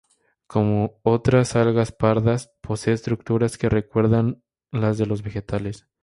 Como otras algas pardas, posee estructuras que recuerdan las de los vegetales.